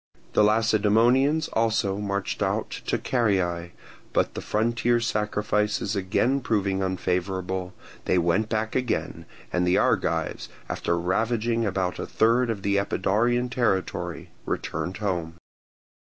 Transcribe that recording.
The Lacedaemonians also marched out to Caryae; but the frontier sacrifices again proving unfavourable, they went back again, and the Argives, after ravaging about a third of the Epidaurian territory, returned home.